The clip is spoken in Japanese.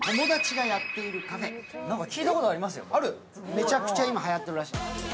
めちゃくちゃ今、はやっているらしい。